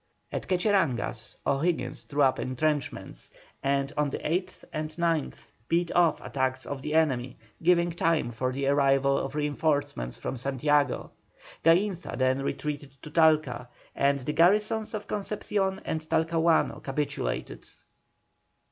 At Quecheraguas O'Higgins threw up entrenchments, and on the 8th and 9th beat off attacks of the enemy, giving time for the arrival of reinforcements from Santiago. Gainza then retreated to Talca, and the garrisons of Concepcion and Talcahuano capitulated.